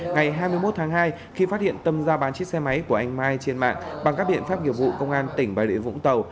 ngày hai mươi một tháng hai khi phát hiện tâm ra bán chiếc xe máy của anh mai trên mạng bằng các biện pháp nghiệp vụ công an tỉnh bà rịa vũng tàu